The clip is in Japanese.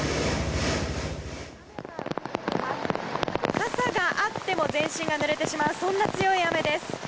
傘があっても全身がぬれてしまうそんな強い雨です。